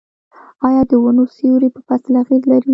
آیا د ونو سیوری په فصل اغیز لري؟